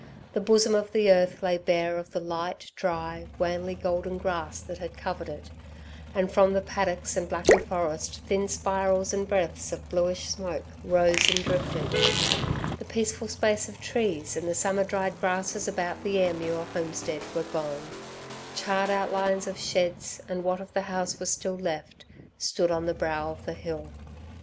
The bosom of the earth lay bare of the light, dry, wanly golden grass that had covered it; and from the paddocks and blackened forest thin spirals and breaths of bluish smoke rose and drifted. The peaceful space of trees and the summer dried grasses about the Ayrmuir homestead were gone. Charred outlines of sheds and what of the house was still left, stood on the brow of the hill.